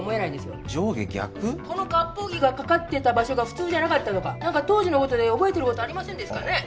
この割烹着がかかってた場所が普通じゃなかったとか何か当時のことで覚えてることありませんですかね